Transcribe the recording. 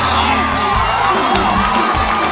คนที่สองชื่อน้องก็เอาหลานมาให้ป้าวันเลี้ยงสองคน